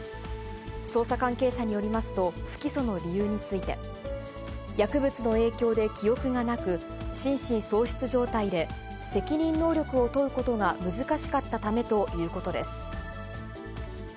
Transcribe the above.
捜査関係者によりますと、不起訴の理由について、薬物の影響で記憶がなく、心神喪失状態で、責任能力を問うことが難しかったためということです。